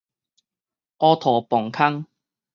烏塗磅空